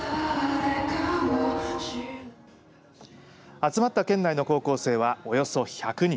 集まった県内の高校生はおよそ１００人。